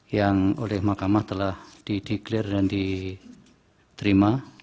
yang oleh mahkamah telah dideklir dan diterima